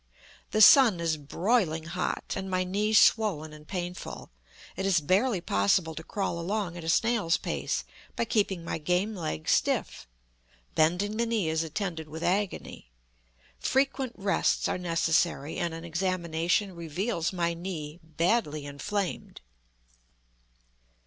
The sun is broiling hot, and my knee swollen and painful. It is barely possible to crawl along at a snail's pace by keeping my game leg stiff; bending the knee is attended with agony. Frequent rests are necessary, and an examination reveals my knee badly inflamed.